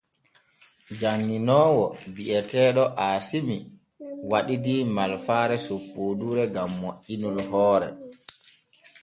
Janŋoowo bi’eteeɗo Aasimi waɗidii malfaare soppooduure gam moƴƴinol hoore.